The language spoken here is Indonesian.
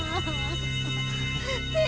dan kau hatilah simba